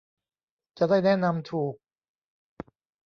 จะได้แนะนำถูก